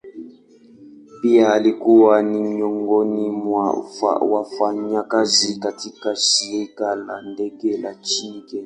Pia alikuwa ni miongoni mwa wafanyakazi katika shirika la ndege la nchini kenya.